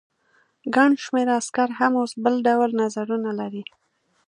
ګڼ شمېر عسکر هم اوس بل ډول نظرونه لري.